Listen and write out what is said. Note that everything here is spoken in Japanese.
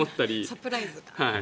サプライズが。